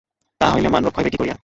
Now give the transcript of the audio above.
তাহা হইলে মান রক্ষা হইবে কী করিয়া?